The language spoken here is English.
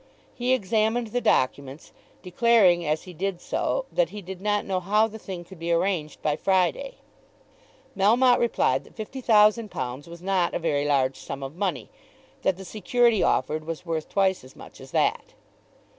He examined the documents, declaring as he did so that he did not know how the thing could be arranged by Friday. Melmotte replied that £50,000 was not a very large sum of money, that the security offered was worth twice as much as that.